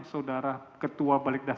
saudara ketua balikdasar